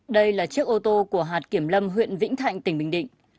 đây là chiếc ô tô của hạt kiểm lâm huyện vĩnh thạnh tỉnh bình định